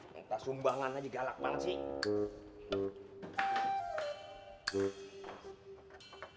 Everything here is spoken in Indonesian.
minta sumbangan aja galak mana sih